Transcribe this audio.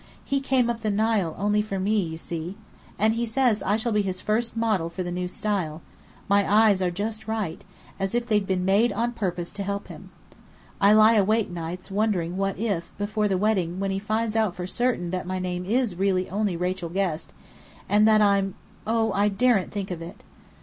He came up the Nile only for me, you see! And he says I shall be his first model for the new style my eyes are just right, as if they'd been made on purpose to help him. I lie awake nights wondering what if, before the wedding, when he finds out for certain that my name is really only Rachel Guest, and that I'm I oh, I daren't think of it!"